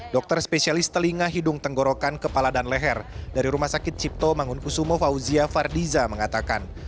dokter spesialis telinga hidung tenggorokan kepala dan leher dari rumah sakit cipto mangunkusumo fauzia fardiza mengatakan